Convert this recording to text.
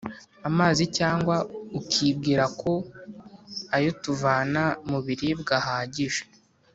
amazi cyangwa ukibwira ko ayo tuvana mu biribwa ahagije.